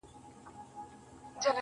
که هر څو دي په لاره کي گړنگ در اچوم.